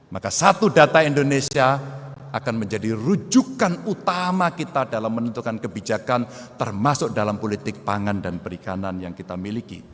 maka satu data indonesia akan menjadi rujukan utama kita dalam menentukan kebijakan termasuk dalam politik pangan dan perikanan yang kita miliki